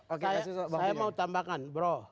oke saya mau tambahkan bro